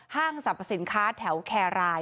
ห้างสรรพสินค้าแถวแครราย